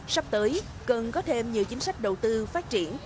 sắp tới cần có thêm nhiều chính sách đầu tư phát triển